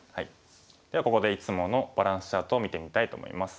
ではここでいつものバランスチャートを見てみたいと思います。